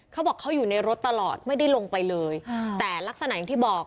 เขาบอกเขาอยู่ในรถตลอดไม่ได้ลงไปเลยแต่ลักษณะอย่างที่บอก